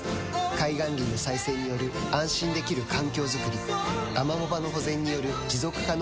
海岸林の再生による安心できる環境づくりアマモ場の保全による持続可能な海づくり